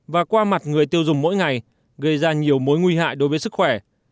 và qua mặt người tiêu dùng mỗi ngày gây ra nhiều mối nguy hại đối với sức khỏe